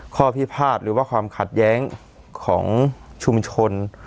ข้อพิพาทหรือว่าความขัดแย้งของชุมชน